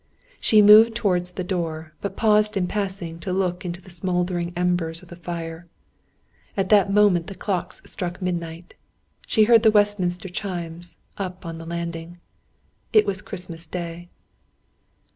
She moved towards the door, but paused in passing, to look into the smouldering embers of the fire. At that moment the clocks struck midnight. She heard the Westminster chimes, up on the landing. It was Christmas Day.